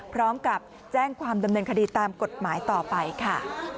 พร้อมกับแจ้งความดำเนินคดีตามกฎหมายต่อไปค่ะ